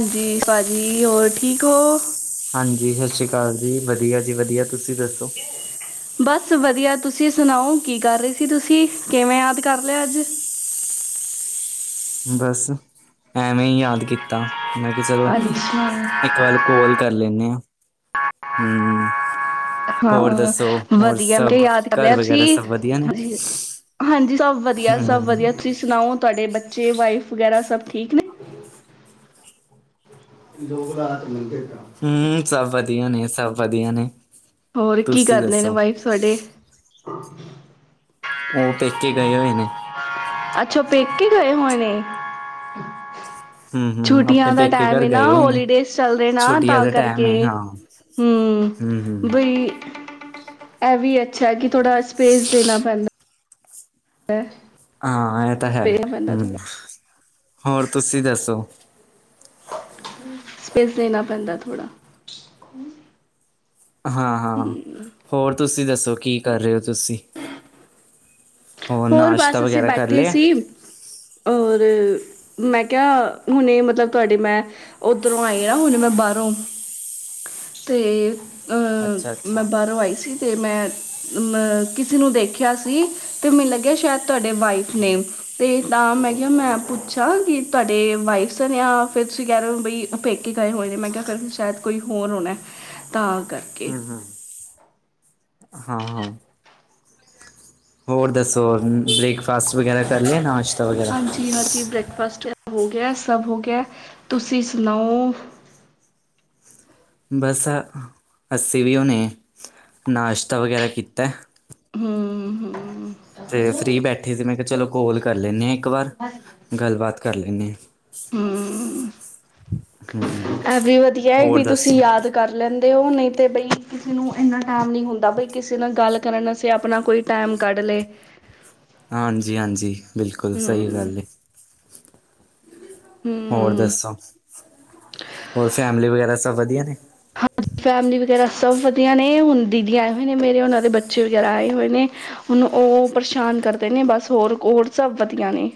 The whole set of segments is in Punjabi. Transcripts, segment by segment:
ਹਾਂਜੀ ਪਾਜੀ ਹੋਰ ਠੀਕ ਓ ਹਾਂਜੀ ਸਾਸ ਸ਼੍ਰੀ ਅਕਾਲ ਜੀ ਵਧੀਆ ਜੀ ਵਧੀਆ ਤੁਸੀਂ ਦੱਸੋ। ਬਸ ਵਧੀਆ ਤੁਸੀਂ ਸੁਣਾਓ ਕੀ ਕਰ ਰੇ ਸੀ ਤੁਸੀਂ ਕਿਵੇਂ ਯਾਦ ਕਰ ਲਿਆ ਅੱਜ। ਬਸ ਐਵੇਂ ਈ‌ ਯਾਦ ਕੀਤਾ ਮੈਂ ਕੇਆ ਚਲੋ ਅੱਛਾ, ਇੱਕ ਵੱਲ ਕੋਲ ਕਰ ਲੈਂਣੇ ਆ ਹੂੰ ਹਾਂ ਵਧੀਆ ਮੈ ਕੇਆ ਯਾਦ ਕਰ ਘਰ ਲਯਾ ਸੀ, ਵਗੈਰਾ ਸਭ ਵਧੀਆ ਨੇ ਜੀ। ਹਾਂਜੀ ਸਭ ਹਮ ਵਧੀਆ-ਸਭ ਵਧੀਆ ਤੁਸੀਂ ਸੁਣਾਓ ਤੁਆਡੇ ਬੱਚੇ ਵਾਈਫ ਵਗੈਰਾ ਸਭ ਠੀਕ ਨੇ। ਦੋ ਪਰਾ ਠੀਕ ਹੈਗਾ। ਹੂੰ ਸਭ ਵਧੀਆ ਨੇ-ਸਭ ਵਧੀਆ ਨੇ। ਹੋਰ ਕੀ ਤੁਸੀਂ ਕਰਦੇ ਨੇ ਦੱਸੋ ਵਾਈਫ ਤੁਆਡੇ? ਓ ਪੇਕੇ ਗਏ ਹੋਏ ਨੇ। ਅੱਛਾ ਓ ਪੇਕੇ ਗਏ ਹੋਏ ਨੇ। ਹਮ ਹਮ ਆਪਣੇ ਛੁੱਟੀਆਂ ਦਾ ਪੇਕੇ ਟੈਮ ਘਰ ਏ ਨਾ ਗਏ ਹੋਏ ਨੇ ਹੋਲੀਡੇਜ਼ ਚੱਲ ਰੇ ਨਾ ਛੁੱਟੀਆਂ ਤਾਂ ਦਾ ਟਾਈਮ ਕਰਕੇ। ਹੈ ਹਾਂ ਹਮ ਹੂੰ ਬਈ ਬ ਐਵੀ ਅੱਛਾ ਐ ਕਿ ਥੋੜ੍ਹਾ ਸਪੇਸ ਦੇਣਾ ਪੈਂਂ ਦਾ। ਹਾਂ ਐ ਤਾਂ ਹੈ ਹੂੰ ਹੋਰ ਤੁਸੀਂ ਦੱਸੋ। ਸਪੇਸ ਦੇਨਾ ਪੈਂਦਾ ਥੋੜਾ। [unintelligible] ਹਾਂ-ਹਾਂ ਹੋਰ ਤੁਸੀਂ ਦੱਸੋ ਕੀ ਕਰ ਰੇ ਓ ਤੁਸੀਂ? ਹੋਰ ਨਾਸ਼ਤਾ ਬਸ ਅਸੀਂ ਵਗੈਰਾ ਕਰ ਬੈਠੇ ਲਿਆ? ਸੀ ਔਰ ਮੈਂ ਕੇਆ ਹੁਣੇ ਮਤਲਬ ਤੁਆਡੇ ਮੈਂ ਓਧਰੋਂ ਆਈ ਆ ਹੁਣੇ ਮੈਂ ਬਾਰੋਂ ਤੇ ਅ ਅੱਛਾ-ਅੱਛਾ। ਮੈਂ ਬਾਹਰੋਂ ਆਈ ਸੀ। ਤੇ ਮੈਂ ਕਿਸੇ ਨੂੰ ਦੇਖਿਆ ਸੀ, ਤੇ ਮੈਨੂੰ ਲੱਗਿਆ ਸ਼ਾਇਦ ਤੁਹਾਡੇ ਵਾਈਫ ਨੇਮ? ਤੇ ਤਾਂ ਮੈਂ ਕਿਹਾ, ਮੈਂ ਪੁੱਛਾਂ ਕਿ ਤੁਹਾਡੇ ਵਾਈਫ ਨੇ ਜਾਂ ਫਿਰ ਤੁਸੀਂ ਕਹਿ ਰਹੇ ਹੋ ਬਈ ਪੇਕੇ ਗਏ ਹੋਏ ਨੇ, ਮੈਂ ਕਿਹਾ ਫਿਰ ਸ਼ਾਇਦ ਕੋਈ ਹੋਰ ਹੋਣਾ। ਤਾਂ ਕਰਕੇ ਹੂੰ -ਹੂੰ, ਹਾਂ ਹੋਰ ਦੱਸੋ? ਬ੍ਰੇਕਫਾਸਟ ਵਗੈਰਾ ਕਰ ਲਿਆ, ਨਾਸ਼ ਹਾਂਜੀ- ਹਾਂਜੀ, ਬ੍ਰੇਕਫਾਸਟ ਹੋ ਗਿਆ, ਸਭ ਹੋ ਗਿਆ, ਤੁਸੀਂ ਸੁਣਾਓ? ਬਸ, ਅਸੀਂ ਵੀ ਹੁਣੇ, ਨਾਸ਼ਤਾ ਵਗੈਰਾ ਕੀਤਾ। ਹੂੰ - ਹੂੰ ਤੇ ਫ੍ਰਰੀ ਬੈਠੇ ਸੀ, ਮੈਂ ਕਿਹਾ ਚੱਲ ਕਾੱਲ ਕਰ ਲੈਂਦੇ ਹਾਂ ਇੱਕ ਵਾਰ। ਗੱਲਬਾਤ ਕਰ ਲੲਈਏ। ਐ ਵੀ ਵਧੀਆ ਕਿ ਤੁਸੀਂ ਦੱਸੋ? ਯਾਦ ਕਰ ਲੈਂਦੇ ਹੋ, ਨਹੀਂ ਤੇ ਬਈ ਕਿਸੇ ਨੂੰ ਇੰਨਾ ਟਾਈਮ ਨਹੀਂ ਹੁੰਦਾ ਬਈ ਕਿਸੇ ਨਾਲ ਗੱਲ ਕਰਨ ਅਸੀਂ ਆਪਣਾ ਕੋਈ ਟਾਈਮ ਕੱਢ ਲਏ। ਹਾਂਜੀ- ਹਾਂਜੀ, ਬਿਲਕੁਲ, ਸਹੀ ਗੱਲ ਏ। ਹੂੰ-ਹੂੰ। ਹੋਰ ਦੱਸੋ? ਹੋਰ ਫੈਮਲੀ ਵਗੈਰਾ ਸਭ ਵੱਧੀਆ ਨੇ? ਹਾਂਜੀ ਫੈਮਿਲੀ ਵਗੈਰਾ ਸਭ ਵਧੀਆ ਨੇ, ਹੁਣ ਦੀਦੀ ਆਏ ਹੋਏ ਨੇ ਮੇਰੇ, ਉਹਨਾਂ ਦੇ ਬੱਚੇ ਵਗੈਰਾ ਆਏ ਹੋਏ ਨੇ। ਹੁਣ ਉਹ ਪਰੇਸ਼ਾਨ ਕਰਦੇ ਨੇ ਬਸ, ਹੋਰ -ਹੋਰ ਸਭ ਵਧੀਆ ਨੇ।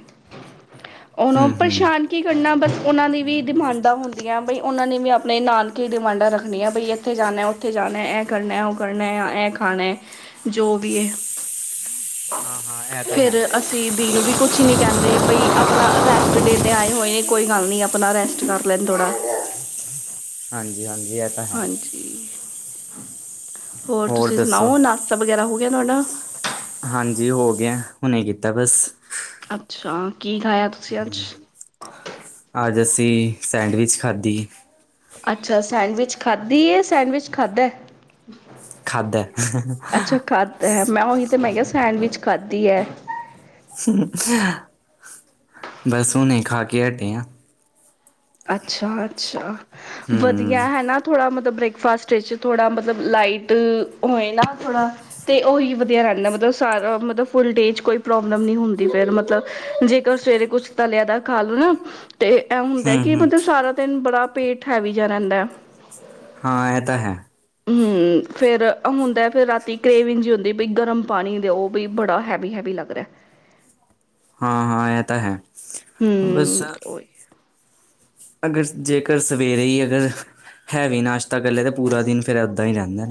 ਉਹਨੂੰ ਹੂੰ-ਹੂੰ। ਪਰੇਸ਼ਾਨ ਕੀ ਕਰਨਾ ਬਸ, ਉਹਨਾਂ ਦੀ ਵੀ ਡਿਮਾਂਡਾਂ ਹੁੰਦੀਆਂ ਬਈ ਉਹਨਾਂ ਨੇ ਵੀ ਆਪਣੇ ਨਾਨਕੇ ਡਿਮਾਂਡਾਂ ਰੱਖਣੀਆਂ ਭਈ, ਇੱਥੇ ਜਾਣਾ, ਉੱਥੇ ਜਾਣਾ, ਇਹ ਕਰਨਾ, ਉਹ ਕਰਨਾ ਹੈ, ਇਹ ਖਾਣਾ ਹੈ। ਜੋ ਵੀ ਏ। ਹਾਂ। ਫੇਰ ਅਸੀਂ ਦੀ ਨੂੰ ਵੀ ਕੁੱਛ ਨੀ ਕਹਿੰਦੇ ਬਈ ਆਪਣਾ ਰੈਸਟ ਡੇ 'ਤੇ ਆਏ ਹੋਏ, ਕੋਈ ਗੱਲ ਨੀ, ਆਪ ਆਪਣਾ ਰੈਸਟ ਕਰ ਲੈਣ ਥੋੜ੍ਹਾ। ਹਾਂਜੀ- ਹਾਂਜੀ। ਤਾਂ ਹੈ ਹਾਂਜੀ, ਹੋਰ ਤੁਸੀਂ ਸੁਣਾਓ? ਨਾਸਤਾ ਵਗੈਰਾ ਹੋ ਗਿਆ ਤੁਹਾਡਾ? ਹਾਂਜੀ ਹੋ ਗਿਆ, ਹੁਣੇ ਕੀਤਾ ਬਸ। ਅੱਛਾ, ਕੀ ਖਾਇਆ ਤੂੰ?? ਅਂਜ ਅਸੀਂ ਸੈਂਡਵਿਚ ਖਾਧੀ। ਅੱਛਾ, ਸੈਂਡਵਿਚ ਖਾਧੀ ਏ ਯਾਂ ਸੈਂਡਵਿਚ ਖਾਧਾ? ਖਾਧਾ। ਤੇ ‌, ਮੈਂ ਉਹੀ ਤੇ ਮੈਂ ਕਿਹਾ ਸੈਂਡਵਿਚ ਖਾਧੀ ਐ। ਹੂੰ, ਬਸ ਹੁਣੇ ਖਾ ਕੇ ਹੱਟੇ ਆਂ। ਅੱਛਾ-ਅੱਛਾ, ਹਮ ਵਧੀਆ ਹੈ ਨਾ। ਥੋੜਾ ਮਤਲਬ ਬ੍ਰੇਕਫਾਸਟ ਵਿੱਚ, ਥੋੜਾ ਮਤਲਬ ਲਾਈਟ ਹੋਏ ਨਾ, ਥੋੜਾ ਤੇ ਉਹੀ ਵਧੀਆ ਰਹਿੰਦਾ ਮਤਲਬ, ਸਾਰਾ ਮਤਲਬ, ਫੁੱਲ ਡੇ ਚ ਕੋਈ ਪ੍ਰੋਬਲਮ ਨਹੀ ਹੁੰਦੀ, ਫੇਰ ਮਤਲਬ, ਜੇਕਰ ਸਵੇਰੇ ਕੁਛ ਤਲਿਆ ਦਾ ਖਾ ਲੋ ਨਾ, ਤੇ ਐਹ ਹੁੰਦਾ ਹਮ ਕਿ ਹਮ ਮਤਲਬ ਸਾਰਾ ਦਿਨ ਬੜਾ ਪੇਟ ਹੈਵੀ ਜੇਹਾ ਰਹਿੰਦਾ। ਹਾਂ, ਐਹ ਤਾਂ ਹੈ। ਹੂੰ, ਫੇਰ, ਹੁੰਦਾ ਫੇਰ ਰਾਤੀ ਕਰੇਵਿੰਗ ਜਹੀ ਹੁੰਦੀ, ਬੀ ਗਰਮ ਪਾਣੀ ਦਿਓ। ਬੀ ਬੜਾ ਹੈਵੀ-ਹੈਵੀ ਲੱਗ ਰਿਹਾ। ਹਾਂ- ਹਾਂ, ਐ ਤਾਂ ਹੈ, ਬਸ ਹੂੰ ਓਹੀ ਅਗਰ ਜੇਕਰ ਸਵੇਰੇ ਹੀ ਅਗਰ ਹੈਵੀ ਨਾਸ਼ਤਾ ਕਰਲਿਆ ਤਾਂ ਪੂਰਾ ਦਿਨ ਫੇਰ ਐਦਾ ਹੀ ਰਹਿੰਦਾ।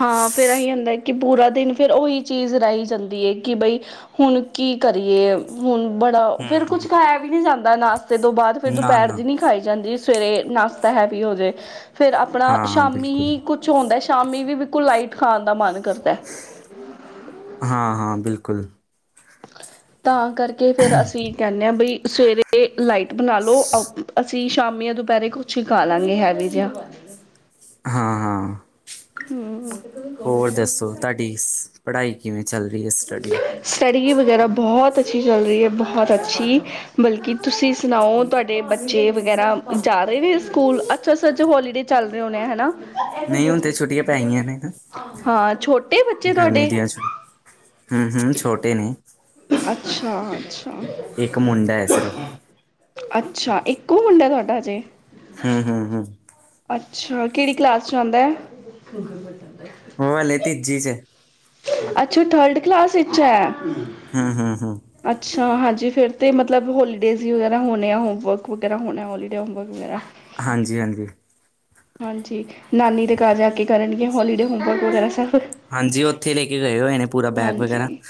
ਹਾਂ, ਫੇਰ ਆਈ ਹੁੰਦਾ ਕਿ ਪੂਰਾ ਦਿਨ ਫੇਰ ਉਹੀ ਚੀਜ਼ ਰਹੀ ਜਾਂਦੀ ਐ ਕੀ ਬਈ ਹੁਣ ਕੀ ਕਰੀਏ? ਹੁਣ ਬੜਾ ਫੇਰ ਹਮ ਕੁੱਝ ਖਾਇਆ ਵੀ ਨੀ ਜਾਂਦਾ ਨਾਸ਼ਤੇ ਤੋਂ ਬਾਅਦ ਫੇਰ ਨਾ ਦੁਪਹਿਰ ਨਾ ਦੀ ਨੀ ਖਾਈ ਜਾਂਦੀ ਸਵੇਰੇ ਨਾਸ਼ਤਾ ਹੈਵੀ ਹੋਜੇ ਫੇਰ ਆਪਣਾ ਹਾਂ ਹਾਂ ਬਿਲਕੁਲ ਸ਼ਾਮੀ ਕੁਛ ਹੁੰਦਾ ਏ ਸ਼ਾਮੀ ਵੀ ਬਿਲਕੁਲ ਲਾਈਟ ਖਾਣ ਦਾ ਮਨ ਕਰਦੈ। ਹਾਂ-ਹਾਂ, ਬਿਲਕੁਲ। ਤਾਂ ਕਰਕੇ ਫੇਰ ਅਸੀਂ ਕਹਿੰਨੇ ਹਾਂ ਬਈ ਸਵੇਰੇ ਤੇ ਲਾਈਟ ਬਣਾ ਲੋ ਅ ਅਸੀ ਸ਼ਾਮੀ ਜਾ ਦੁਪਹਿਰੇ ਕੁਛ ਖਾ ਲਾਂਗੇ ਹੈਵੀ ਜਿਹਾ। ਹਾਂ ਹਾਂ। ਹੂੰ-ਹੂੰ। ਹੋਰ ਦੱਸੋ ਤੁਹਾਡੀ ਸ ਪੜ੍ਹਾਈ ਕਿਵੇਂ ਚੱਲ ਰਹੀ ਐ ਸਟੱਡੀ? ਸਟੱਡੀ ਵਗੈਰਾ ਬਹੁਤ ਅੱਛੀ ਚੱਲ ਰਹੀ ਐ, ਬਹੁਤ ਅੱਛੀ ਬਲਕਿ ਤੁਸੀਂ ਸੁਣਾਓ ਤੁਹਾਡ ਤਾਡੇ ਬੱਚੇ ਵਗੈਰਾ ਜਾ ਰਹੇ ਨੇ ਸਕੂਲ, ਅੱਛਾ ਸਚ ਹੋਲੀਡੇ ਚੱਲ ਰਹੇ ਹੋਣੇ ਆ ਹਨਾ? ਨਹੀਂ ਹੁਣ ਤੇ ਛੁੱਟੀਆਂ ਪੈ ਗਈਆਂ ਨੇ ਨਾ ਹਾਂ ਛੋਟੇ ਬੱਚੇ ਗਰਮੀ ਤੁਹਾਡੇ ਦੀਆਂ ਛੁੱਟ ਹੂੰ-ਹੂੰ, ਛੋਟੇ ਨੇ। ਅੱਛਾ-ਅੱਛਾ। ਇੱਕ ਮੁੰਡਾ ਐ ਸਿਰਫ। ਅੱਛਾ, ਇੱਕੋ ਮੁੰਡਾ ਐ ਤੁਹਾਡਾ ਅਜੇ? ਹੂੰ, ਹੂੰ, ਹੂੰ। ਅੱਛਾ, ਕਿਹੜੀ ਕਲਾਸ ਚ ਆਉਂਦਾ ਐ? [inaudible] ਓਹ ਹਲੇ ਤੀਜੀ ਚ। ਅੱਛਾ, ਓ ਥਰਡ ਕਲਾਸ ਵਿੱਚ ਐ। ਹੂੰ, ਹੂੰ, ਹੂੰ। ਅੱਛਾ, ਹਾਂਜੀ, ਫੇਰ ਤੇ ਮਤਲਬ ਹੋਲੀਡੇਜ਼ ਵਗੈਰਾ ਹੋਣੇ ਆ ਹੋਮ ਵਰਕ ਵਗੈਰਾ ਹੋਣਾ ਹੋਲੀਡੇ ਹੋਮਰਕ ਵਗੈਰਾ। ਹਾਂਜੀ-ਹਾਂਜੀ। ਹਾਂਜੀ, ਨਾਨੀ ਦੇ ਕਾਰ ਜਾ ਕੇ ਕਰਨਗੇ ਹੋਲੀਡੇ ਹੋਮਵਰਕ ਵਗੈਰਾ ਸਭ। ਹਾਂਜੀ, ਉੱਥੇ ਲੈ ਕੇ ਗਏ ਹੋਏ ਨੇ ਪੂਰਾ ਬੈਗ ਵਗੈਰਾ ਹਾਂਜੀ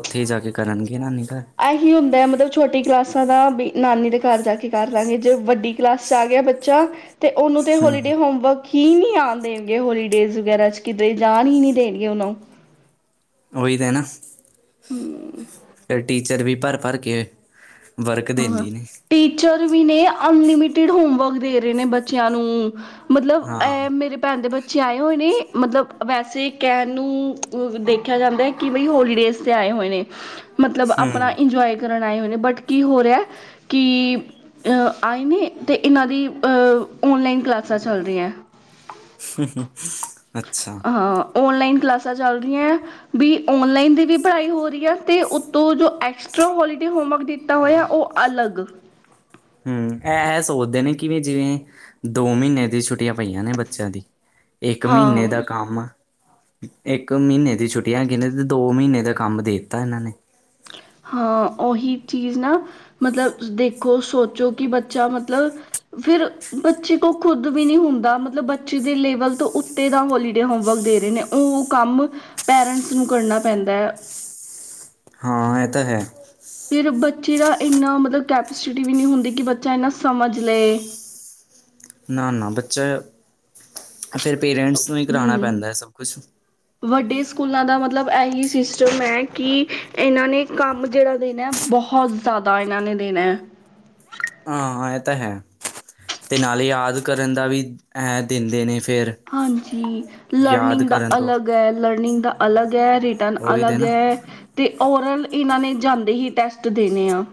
ਉੱਥੇ ਹੀ ਜਾ ਕੇ ਕਰਨਗੇ ਨਾਨੀ ਕਾਰ। ਐਹੀ ਹੁੰਦਾ ਐ ਮਤਲਬ ਛੋਟੀ ਕਲਾਸਾਂ ਦਾ ਵੀ ਨਾਨੀ ਦੇ ਕਾਰ ਜਾ ਕੇ ਕਰਲਾਂਗੇ ਜੇ ਵੱਡੀ ਕਲਾਸ ਚ ਆ ਗਿਆ ਬੱਚਾ, ਤੇ ਉਹਨੂੰ ਤੇ ਹੂੰ ਹੋਲੀਡੇ ਹੋਮਵਰਕ ਕੀ ਨਹੀਂ ਆਣ ਦੇਣਗੇ ਹੋਲੀਡੇਜ਼ ਵਗੈਰਾ ਚ ਕਿਤੇ ਜਾਣ ਹੀ ਨਹੀਂ ਦੇਣਗੇ ਉਹਨੁੰ। ਉਹੀ ਤੇ ਨਾ। ਹੂੰ ਟੀਚਰ ਵੀ ਭਰ-ਭਰ ਕੇ ਵਰਕ ਹਾਂ ਦਿੰਦੀ ਏ। ਟੀਚਰ ਵੀ ਨੇ, ਅਨਲਿਮਿਟਿਡ ਹੋਮਵਰਕ ਦੇ ਰਹੇ ਨੇ ਬੱਚਿਆਂ ਨੂੰ। ਮਤਲਬ, ਹਾਂ ਮੇਰੇ ਪੈਣ ਦੇ ਬੱਚ ਬੱਚੇ ਆਏ ਹੋਏ ਨੇ, ਮਤਲਬ ਵੈਸੇ ਕਹਿਣ ਨੂੰ ਦੇਖਿਆ ਜਾਂਦਾ ਐ ਕਿ ਬਈ ਹੋਲੀਡੇਜ਼ ਤੇ ਆਏ ਹੋਏ ਨੇ। ਮਤਲਬ, ਆਪਣਾ ਹੂੰ ਇੰਜੋਏ ਕਰਨ ਆਏ ਹੋਏ ਨੇ, ਬਟ ਕੀ ਹੋ ਰਿਹਾ ਕਿ ਆਏ ਨੇ, ਤੇ ਇਹਨਾਂ ਦੀ ਅ ਔਨਲਾਈਨ ਕਲਾਸਾਂ ਚੱਲ ਰਹੀਆਂ। ਅੱਛਾ। ਹਾਂ, ਔਨਲਾਈਨ ਕਲਾਸਾਂ ਚੱਲ ਰਹੀਆਂ। ਵੀ ਓਨਲਾਈਨ ਦੀ ਵੀ ਪੜ੍ਹਾਈ ਹੋ ਰਹੀ ਆ, ਤੇ ਉਤੋਂ ਜੋ ਏਕ੍ਸ੍ ਐਕਸਟਰਾ ਹੋਲੀਡੇ ਹੋਮਵਰਕ ਦਿੱਤਾ ਹੋਇਆ, ਉਹ ਅਲੱਗ। ਹੁੰ, ਏ ਇਹ ਸੋਚਦੇ ਨੇ, ਕਿਵੇਂ ਜਿਵੇਂ ਦੋ ਮਹੀਨੇ ਦੀ ਛੁੱਟੀਆਂ ਪਈਆਂ ਨੇ ਬੱਚਿਆਂ ਦੀ, ਇੱਕ ਮਹੀਨੇ ਦਾ ਹਾਂ ਕੰਮ। ਇੱਕ ਮਹੀਨੇ ਦੀ ਛੁੱਟੀਆਂ ਹੈਗੀਆਂ ਨੇ ਤੇ, ਦੋ ਮਹੀਨੇ ਦਾ ਕੰਮ ਦੇ ਦਿੱਤਾ ਇਹਨਾਂ ਨੇ। ਹਾਂ, ਉਹੀ ਚੀਜ਼ ਨਾ। ਮਤਲਬ, ਦੇਖੋ, ਸੋਚੋ, ਕਿ ਬੱਚਾ ਮਤਲਬ ਫਿਰ ਬੱਚੇ ਕੋਲ ਖੁਦ ਵੀ ਨੀ ਹੁੰਦਾ, ਮਤਲਬ ਬੱਚੇ ਦੇ ਲੇਵਲ ਤੋਂ ਤੇਏਡਾ ਹੋਲੀਡੇ ਹੋਮਵਰਕ ਦੇ ਰਹੇ ਨੇ, ਉਹ ਕੰਮ ਪੇਰੈਂਟਸ ਨੂੰ ਕਰਨਾ ਪੈਂਦਾ ਹੈ। ਹਾਂ, ਇਹ ਤਾਂ ਹੈ। ਫਿਰ, ਬੱਚੇ ਦਾ ਇੰਨਾ ਮਤਲਬ ਕੈਪੈਸਿਟੀ ਵੀ ਨਹੀਂ ਹੁੰਦੀ ਕਿ ਬੱਚਾ ਇੰਨਾ ਸਮਝ ਲਏ। ਨਾ-ਨਾ ਬੱਚਾ, ਫੇਰ ਪੇਰੈਂਟਸ ਨੂੰ ਹੀ ਕਰਾਉਣਾ ਹਮ ਪੈਂਦਾ ਹੈ ਸਭ ਕੁਛ। ਵੱਡੇ ਸਕੂਲਾਂ ਦਾ ਮਤਲਬ ਇਹੀ ਸਿਸਟਮ ਹੈ ਕਿ, ਇਹਨਾਂ ਨੇ ਕੰਮ ਜਿਹੜਾ ਦੇਣਾ, ਬਹੁਤ ਜ਼ਿਆਦਾ ਇਹਨਾਂ ਨੇ ਦੇਣੈ। ਹਾਂ, ਇਹ ਤਾਂ ਹੈ, ਤੇ ਨਾਲੇ ਯਾਦ ਕਰਨ ਦਾ ਵੀ ਇਹ ਦਿੰਦੇ ਨੇ ਫਿਰ। ਹਾਂਜੀ। ਯਾਦ ਲਰਨਿੰਗ ਦਾ ਕਰਨ ਤੋਂ ਅਲੱਗ ਹੈ-ਲਰਨਿੰਗ ਦਾ ਅਲੱਗ ਹੈ, ਰਿਟਰਨ ਦਾ ਉਹੀ ਤੇ ਅਲੱਗ ਨਾ ਹੈ। ਤੇ ਓਰਲ, ਇਹਨਾਂ ਨੇ ਜਾਂਦੇ ਹੀ ਟੈਸਟ ਦੇਣੇ ਆ।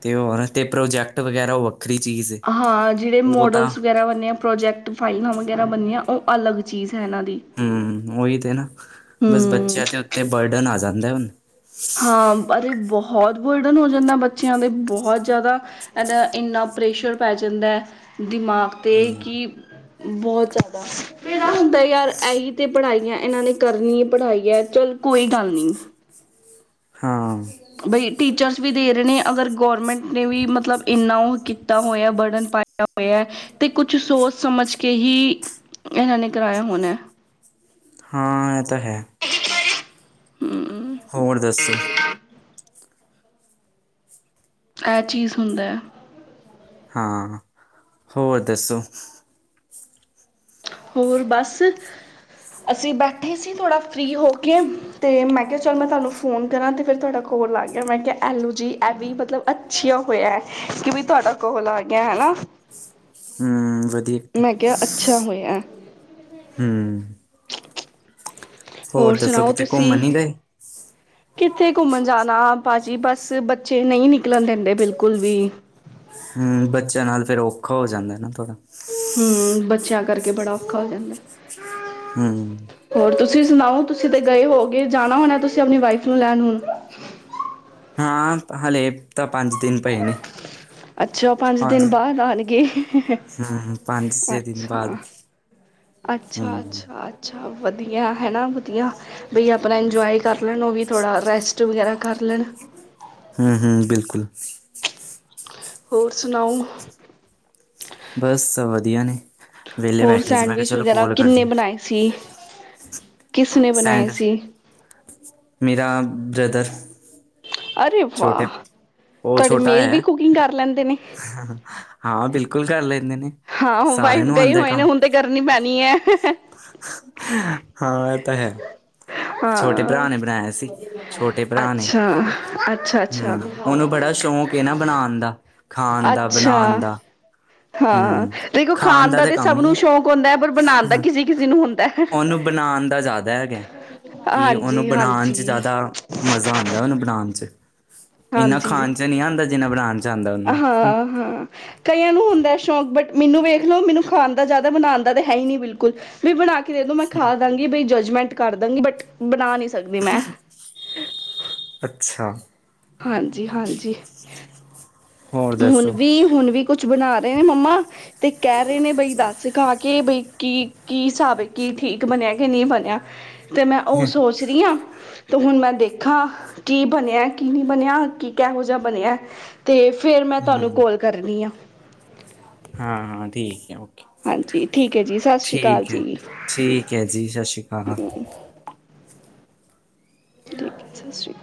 ਤੇ ਹੋਰ, ਤੇ ਪ੍ਰੋਜੈਕਟ ਵਗੈਰਾ ਉਹ ਵੱਖਰੀ ਚੀਜ਼ ਏ। ਹਾਂ, ਜਿਹੜੇ ਉਹ ਤਾਂ ਮੋਡਲਸ ਵਗੈਰਾ ਬੰਨੇ ਆ ਪ੍ਰੋਜੈਕਟ ਫਾਈਲਾਂ ਵਗੈਰਾ ਬਣਨੀਆਂ, ਉਹ ਅਲੱਗ ਚੀਜ਼ ਹੈ ਇਹਨਾਂ ਦੀ। ਹੂੰ, ਉਹੀ ਤਾਂ ਹੈ ਨਾ! ਬਸ ਹਮ ਬੱਚਿਆਂ ਦੇ ਉੱਤੇ ਬਰਡਨ ਆ ਜਾਂਦਾ ਹੁਣ। ਹਾਂ, ਇਹ ਬਹੁਤ ਬੋਝ ਬਣ ਜਾਂਦਾ ਬੱਚਿਆਂ ਤੇ, ਬਹੁਤ ਜ਼ਿਆਦਾ। ਇੰਹਦਾ ਇੰਨਾ ਪ੍ਰੈਸ਼ਰ ਪੈ ਜਾਂਦਾ ਦਿਮਾਗ 'ਤੇ ਹੂੰ। ਕਿ ਬਹੁਤ ਜ਼ਿਆਦਾ। ਫੇਰ ਇਹ ਹੁੰਦਾ ਯਾਰ, ਇਹੀ ਤਾਂ ਪੜ੍ਹਾਈ ਆ, ਇਹਨਾਂ ਨੇ ਕਰਨੀ ਹੈ ਪੜ੍ਹਾਈ ਹੈ, ਚੱਲ, ਕੋਈ ਗੱਲ ਨਹੀਂ। ਹਾਂ। ਬਈ, ਟੀਚਰਸ ਵੀ ਦੇ ਰਹੇ ਨੇ, ਅਗਰ ਗੌਰਮੈਂਟ ਨੇ ਵੀ ਮਤਲਬ ਇੰਨਾ ਉਹ ਕੀਤਾ ਹੋਇਆ, ਬਰਡਨ ਪਾ ਹੋਇਆ, ਤਾਂ ਕੁਝ ਸੋਚ-ਸਮਝ ਕੇ ਹੀ, ਇਹਨਾਂ ਨੇ ਕਰਾਇਆ ਹੋਣਾ। ਹਾਂ ਇਹ ਤਾਂ ਹੈ। ਹਮ ਹੋਰ ਦੱਸੋ? ਇਹ ਚੀਜ਼ ਹੁੰਦਾ ਹੈ। ਹਾਂ, ਹੋਰ ਦੱਸੋ? ਹੋਰ ਬਸ। ਅਸੀਂ ਬੈਠੇ ਸੀ ਥੋੜ੍ਹਾ ਫਰੀ ਹੋ ਕੇ, ਤੇ ਮੈਂ ਕਿਹਾ, ਚੱਲ, ਮੈਂ ਫੋਨ ਫੋਨ ਕਰਾਂ, ਤੇ ਫਿਰ ਤੁਹਾਡਾ ਕੋਲ ਆ ਗਿਆ, ਮੈਂ ਕਿਹਾ, ਐਲੋ ਜੀ, ਇਹ ਵੀ ਮਤਲਬ ਅੱਛਾ ਹੋਇਆ ਕਿ ਵੀ ਤੁਹਾਡਾ ਕੋਲ ਆ ਗਿਆ, ਹੈਨਾ। ਹੂੰ, ਵਧੀਆ। ਕੀਤਾ ਮੈਂ ਕਿਹਾ, ਅੱਛਾ ਹੋਇਆ। ਹੂੰ। ਹੋਰ ਦੱਸੋ, ਸੁਣਾਓ ਕਿਤੇ ਘੁੰਮਣ ਤੁਸੀਂ ਨੀ ਗਏ? ਕਿੱਥੇ ਘੁੰਮਣ ਜਾਣਾ ਆਪਾਂ ਜੀ, ਬਸ, ਬੱਚੇ ਨਹੀਂ ਨਿਕਲਣ ਦਿੰਦੇ ਬਿਲਕੁਲ ਵੀ। ਹੂੰ, ਬੱਚਿਆਂ ਨਾਲ ਫ਼ਿਰ ਔਖਾ ਹੋ ਜਾਂਦਾ ਨਾ ਥੋੜ੍ਹਾ ਹੂੰ, ਬੱਚਿਆਂ ਕਰਕੇ ਬੜਾ ਔਖਾ ਹੋ ਜਾਂਦਾ। ਹੂੰ। ਹੋਰ ਤੁਸੀਂ ਸੁਣਾਓ, ਤੁਸੀਂ ਤੇ ਗਏ ਹੋਵੋਗੇ, ਜਾਣਾ ਹੋਣਾ ਤੁਸੀਂ ਆਪਣੀ ਵਾਈਫ ਨੂੰ ਲੈਣ ਹੁਣ? ਹਾਂ, ਹਲੇੇ ਤਾਂ ਪੰਜ ਦਿਨ ਪਏ ਨੇ। ਅੱਛਾ ਦਿਨ ਪੰਜ ਬਾਅਦ ਆਣਗੇ ਹੂੰ ਹੂੰ ਪੰਜ-ਛੇ ਦਿਨ ਬਾਅਦ ਅੱਛਾ ਹੂੰ ਅੱਛਾ ਅੱਛਾ, ਅੱਛਾ ਵਧੀਆ ਹੈ ਨਾ ਵਧੀਆ। ਬਈ ਆਪਣਾ ਇੰਜੋਏ ਕਰ ਲੈਣ ਉਹ ਵੀ ਥੋੜ੍ਹਾ ਰੈਸਟ ਵਗੈਰਾ ਕਰ ਲੈਣ। ਹੂੰ ਹੂੰ ਬਿਲਕੁਲ। ਹੋਰ ਸੁਣਾਓ? ਬਸ ਸਭ ਵਧੀਆ ਨੇ। ਵਿਹਲੇ ਹੋਰ ਬੈਠੇ ਸੀ ਮੈਂ ਕਿਹਾ ਸੈਂਡਵਿਚ ਚਲੋ ਵਗੈਰਾ ਕੋਲ ਕਿੰਨੇ ਕਰਦੇ ਬਣਾਏ ਸੀ? ਕਿਸ ਨੇੇ ਬਣਾਏ ਸੈਂਡ ਸੀ? ਮੇਰਾ ਬ੍ਰਦਰ। ਅਰੇ ਵਾਹ। ਛੋਟੇ ਉਹ ਤੁਹਾਡੇ ਛੋਟਾ ਮੇਲ ਵੀ ਐ। ਕੁਕਿੰਗ ਕਰ ਲੈਂਦੇ ਨੇ ਹਾਂ ਬਿਲਕੁਲ ਕਰ ਲੈਂਦੇ ਨੇ। ਹਾਂ। ਸਾਰਿਆਂ ਵਾਈਫ ਨੂੰ ਗਏ ਆਉਂਦਾ ਹੋਏ ਨੇ ਕੰਮ ਹੁਣ ਤੇ ਕਰਨੀ ਪੈਣੀ ਐ। ਹਾਂ। ਓ ਤਾਂ ਹੈ। ਛੋਟੇ ਭਰਾ ਹਾਂ ਨੇ ਬਣਾਇਆ ਸੀ। ਛੋਟੇ ਭਰਾ ਨੇ ਅੱਛਾ ਅੱਛਾ ਅੱਛਾ ਹੂੰ ਉਹਨੂੰ ਬੜਾ ਸ਼ੌਂਕ ਵੇ ਨਾ ਬਣਾਣ ਦਾ, ਖਾਣ ਦਾ ਬਣਾਣ ਅੱਛਾ ਦਾ। ਹਾਂ। ਹੂੰ ਦੇਖੋ ਖਾਣ ਦਾ ਤਾਂ ਤੇ ਕੰਮ ਸਭ ਹੀ ਨੂੰ ਸ਼ੌਕ ਹੁੰਦਾ ਐ, ਪਰ ਬਣਾਣ ਦਾ ਹੈ ਕਿਸੇ-ਕਿਸੇ ਨੂੰ ਹੁੰਦ ਉਹਨੂੰ ਬਣਾਣ ਦਾ ਜ਼ਿਆਦਾ ਹੈਗਾ। ਕੀ ਉਹਨੂੰ ਹਾਂਜੀ ਬਣਾਣ ਚ ਹਾਂਜੀ ਜ਼ਿਆਦਾ ਮਜ਼ਾ ਆਦਾ ਉਨੂੰ ਬਣਾਣ 'ਚ। ਇਨਾ ਖਾਣ 'ਚ ਨੀ ਆਦਾ ਜਿਨ੍ਹਾਂ ਬਣਾਣ 'ਚ। ਆਂਦਾ ਅਹ ਉਹਨੂੰ ਹਾਂ। ਕਈਆਂ ਨੂੰ ਹੁੰਦਾ ਸ਼ੌਕ ਬਟ ਮੈਨੂੰ ਵੇਖ ਲੋ ਮੈਨੂੰ ਖਾਣ ਦਾ ਜ਼ਿਆਦਾ ਬਣਾਣ ਦਾ ਤਾਂ ਹੈ ਹੀ ਨਹੀਂ ਬਿਲਕੁਲ, ਵੀ ਬਣਾ ਕੇ ਦੋਂ ਮੈਂ ਖਾ ਲਾਂਗੀ ਬਈ ਜੱਜਮੈਂਟ ਕਰ ਦਾਂਗੀ ਬਟ ਬਣਾ ਨਹੀਂ ਸਕਦੀ ਮੈਂ। ਅੱਛਾ। ਹਾਂਜੀ ਹਾਂਜੀ। ਹੋਰ ਹੁਣ ਦੱਸੋ ਵੀ। ਹੁਣ ਵੀ ਕੁਛ ਬਣਾ ਰਹੇ ਨੇ ਮੰਮਾ ਤੇ ਕਹਿ ਰਹੇ ਨੇ ਬਈ ਦੱਸ ਖਾ ਕੇ ਬਈ ਕੀ- ਕੀ ਹੈਸਾਬ ਏ। ਕੀ ਠੀਕ ਬਣਿਆ ਕਿ ਨਹੀਂ ਬਣਿਆ। ਤੇ ਮੈਂ ਉਹ ਸੋਚ ਰੀ ਆ। ਤੇ ਹੁਣ ਮੈਂ ਦੇਖਾਂ, ਕੀ ਬਣਿਆ ਕੀ ਨਹੀਂ ਬਣਿਆ ਕੀ ਕਿਹੋ ਜਿਹਾ ਬਣਿਆ ਤੇ ਫਿਰ ਮੈਂ ਤੁਹਾਨੂੰ ਹੂੰ ਕੋਲ ਕਰਨੀ ਆ। ਹਾਂ ਹਾਂ ਠੀਕ ਹੈ। ਓਕੇ ਹਾਂਜੀ। ਠੀਕ ਹੈ ਜੀ, ਸਸ ਸ਼੍ਰੀ ਕਾਲ ਠੀਕ ਹੈ ਜੀ। ਠੀਕ ਹੈ ਜੀ। ਸਸ ਸ਼੍ਰੀ ਕਾਲ। ਠੀਕ ਠੀਕ ਹੈ। ਸਸ ਸ਼੍ਰੀ ਕਾਲ।